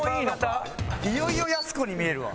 いよいよやす子に見えるわ。